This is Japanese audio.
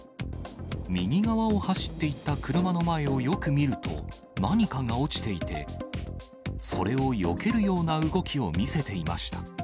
右側を走っていった車の前をよく見ると、何かが落ちていて、それをよけるような動きを見せていました。